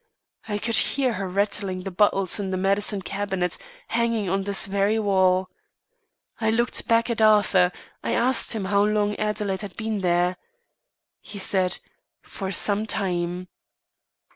I could hear her rattling the bottles in the medicine cabinet hanging on this very wall. Looking back at Arthur, I asked him how long Adelaide had been there. He said, 'For some time.